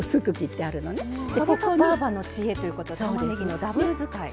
ばぁばの知恵ということたまねぎのダブル使い。